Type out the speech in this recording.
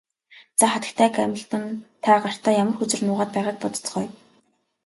За хатагтай Гамильтон та гартаа ямар хөзөр нуугаад байгааг бодоцгооё.